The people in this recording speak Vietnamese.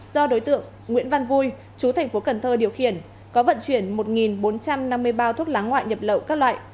do đối tượng nguyễn văn vui chú thành phố cần thơ điều khiển có vận chuyển một bốn trăm năm mươi bao thuốc lá ngoại nhập lậu các loại